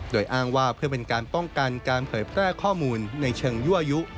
โดยอ้างว่าเพื่อเป็นการป้องกันการเผยแพร่ข้อมูลในเชิงยั่วยุ